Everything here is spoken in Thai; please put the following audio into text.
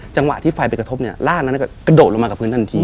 จังหวะที่ไฟไปกระทบอันนั้นระดบนั้นก็อกล้อกลวกตอนทั้งที